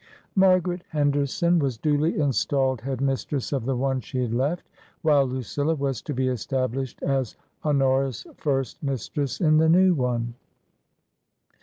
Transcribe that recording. Margaret Henderson was duly installed Head mistress of the one she had left, while Lucilla was to be established as Honora's first mistress in the new one.